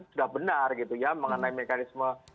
sudah benar mengenai mekanisme